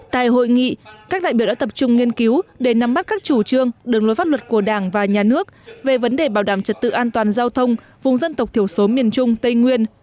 tại hội nghị các đại biểu đã tập trung nghiên cứu để nắm bắt các chủ trương đường lối pháp luật của đảng và nhà nước về vấn đề bảo đảm trật tự an toàn giao thông vùng dân tộc thiểu số miền trung tây nguyên